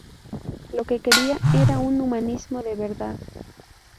Lo que quería era un humanismo de verdad.